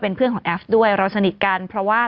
เพื่อนของแอฟด้วยเราสนิทกันเพราะว่า